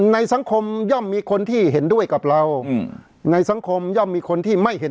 ในสังคมย่อมมีคนที่เห็นด้วยกับเราอืมในสังคมย่อมมีคนที่ไม่เห็น